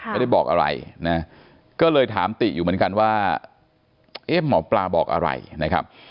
ไม่ได้บอกอะไรนะก็เลยถามติอยู่เหมือนกันว่าเอ๊ะหมอปลาบอกอะไรนะครับ